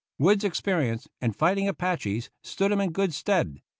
Wood's experience in fighting Apaches stood him in good stead.